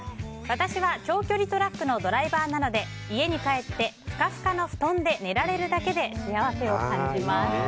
私は長距離トラックのドライバーなので家に帰ってふかふかの布団で寝られるだけで幸せを感じます。